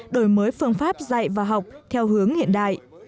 đổi mới phương pháp dạy và học theo hướng hiện đại